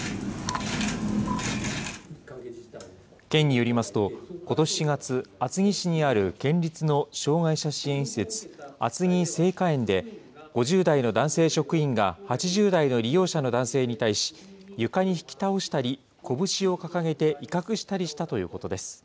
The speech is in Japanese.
県によりますと、ことし４月、厚木市にある県立の障害者支援施設、厚木精華園で５０代の男性職員が８０代の利用者の男性に対し、床に引き倒したり、拳を掲げて威嚇したりしたということです。